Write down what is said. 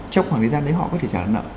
trong khoảng thời gian đấy họ có thể trả nợ